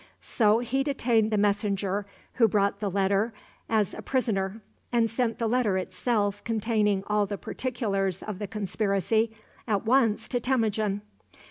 So he detained the messenger who brought the letter as a prisoner, and sent the letter itself, containing all the particulars of the conspiracy, at once to Temujin.